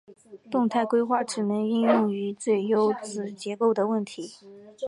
动态规划只能应用于有最优子结构的问题。